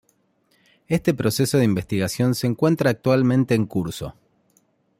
Este proceso de investigación se encuentra actualmente en curso.